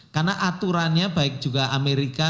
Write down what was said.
karena aturannya baik juga amerika